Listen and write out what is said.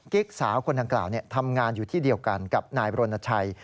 กิ๊กสาวคนทางกล่าวเนี่ยทำงานอยู่ที่เดียวกันกับนายรณชัย